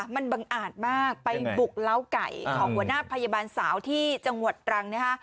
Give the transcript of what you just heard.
มันบังอาจมากไปบุกเล้าไก่ของหัวหน้าพยาบาลสาวที่จังหวัดตรังนะคะ